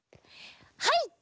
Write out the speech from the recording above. はい！